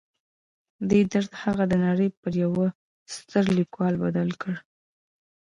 دې درد هغه د نړۍ پر یوه ستر لیکوال بدل کړ